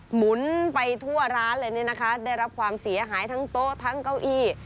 หมุนไปทั่วร้านเลยเนี่ยนะคะได้รับความเสียหายทั้งโต๊ะทั้งเก้าอี้